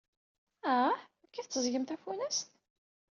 Ah, akka i tetteẓẓgem tafunast?